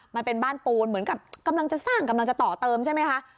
มันเป็นบ้านปูนเหมือนกับกำลังจะสร้างกำลังจะต่อเติมใช่ไหมคะ